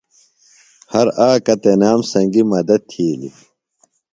ہر آکہ تنام سنگیۡ مدت تِھیلیۡ۔